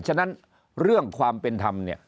ฉะนั้นเรื่องความเป็นธรรมเนี่ย